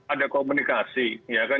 ada komunikasi ya kan